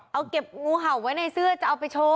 เอาเก็บงูเห่าไว้ในเสื้อจะเอาไปโชว์